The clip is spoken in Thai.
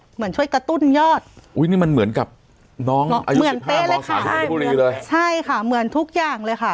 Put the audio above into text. เหมือนช่วยกระตุ้นยอดอุ้ยนี่มันเหมือนกับน้องอายุสิบห้าใช่ค่ะเหมือนทุกอย่างเลยค่ะ